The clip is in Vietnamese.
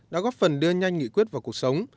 đã góp phần đưa nhanh nghị quyết vào cuộc sống